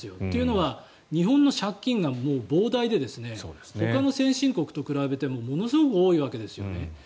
というのは日本の借金が膨大でほかの先進国と比べてもものすごく多いわけですね。